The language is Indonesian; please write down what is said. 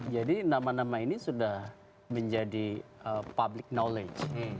jadi nama nama ini sudah menjadi public knowledge